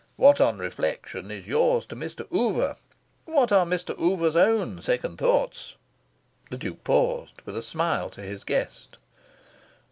What, on reflection, is yours to Mr. Oover? What are Mr. Oover's own second thoughts?" The Duke paused, with a smile to his guest.